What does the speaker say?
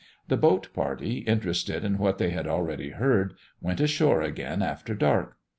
The boat party, interested in what they had already heard, went ashore again after dark.